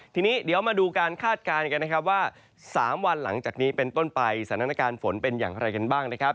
ทีนี้เดี๋ยวมาดูการคาดการณ์กันนะครับว่า๓วันหลังจากนี้เป็นต้นไปสถานการณ์ฝนเป็นอย่างไรกันบ้างนะครับ